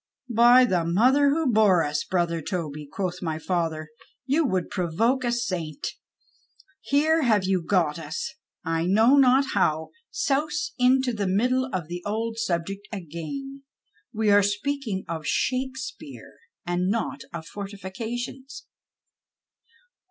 " By the mother who bore us I brother Toby," quoth my father, " you would provoke a saint. Hero have you got us, I know not how, souse into 86 MY UNCLE TOBY PUZZLED the middle of tlie old subject again. We are speak ing of Shakespeare and not of fortifications."